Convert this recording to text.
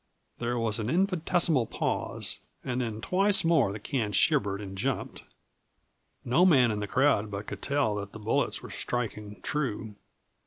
There was an infinitesimal pause, and then twice more the can shivered and jumped. No man in the crowd but could tell that the bullets were striking true.